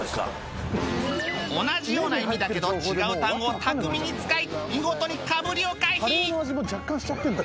同じような意味だけど違う単語を巧みに使い見事にかぶりを回避！